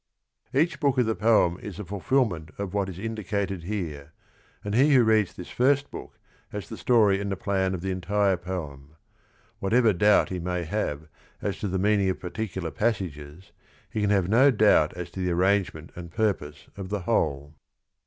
Each book of the poem is a fulfilment of what is indicated here, and he who reads this first book has the story and the plan of the entire poem. Whatever doubt he may have as to the meaning of particular passages, he can have no doubt as to the arrangement and purpose of the whole.